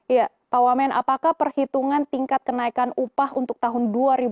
iya pak wamen apakah perhitungan tingkat kenaikan upah untuk tahun dua ribu dua puluh